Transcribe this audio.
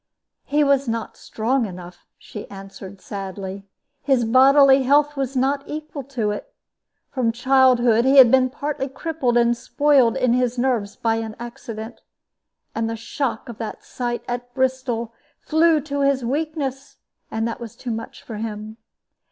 "He was not strong enough," she answered, sadly; "his bodily health was not equal to it. From childhood he had been partly crippled and spoiled in his nerves by an accident. And the shock of that sight at Bristol flew to his weakness, and was too much for him.